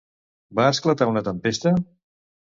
Va esclatar una tempesta?